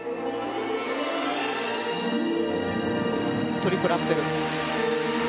トリプルアクセル。